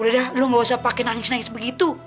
udah dah lu gak usah pake nangis nangis begitu